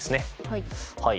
はい。